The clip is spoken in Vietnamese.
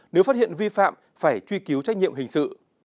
nếu phát hiện vi phạm phải truy cứu trách nhiệm hình sự